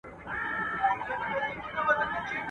ښه مه پر واړه که، مه پر زاړه که.